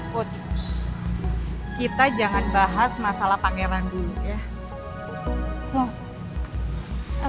put kita jangan bahas masalah pangeran dulu ya